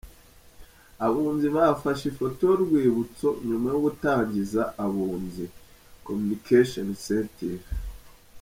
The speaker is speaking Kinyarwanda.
Abunzi bafashe ifoto y'urwibutso nyuma yo gutangiza “Abunzi”Communication Incentive.